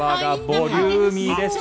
ボリューミーです。